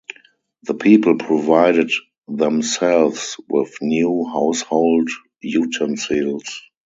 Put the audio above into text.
The people provided themselves with new household utensils.